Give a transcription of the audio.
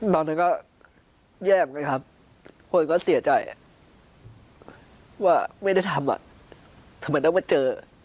ตอนนั้นก็แย่เหมือนกันครับคนก็เสียใจว่าไม่ได้ทำทำไมต้องมาเจอ